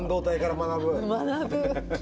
学ぶ。